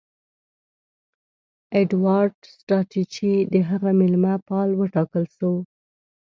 ایډوارډ سټراچي د هغه مېلمه پال وټاکل سو.